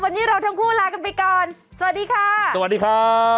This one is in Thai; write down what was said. วันนี้เราทั้งคู่ลากันไปก่อนสวัสดีค่ะ